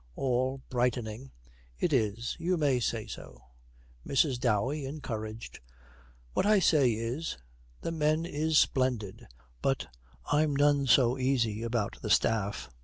ALL, brightening, 'It is. You may say so.' MRS. DOWEY, encouraged, 'What I say is, the men is splendid, but I'm none so easy about the staff.